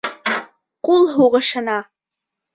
Ҡул һуғышына!